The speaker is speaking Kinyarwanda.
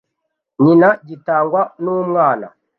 nyina gitangwa n umwana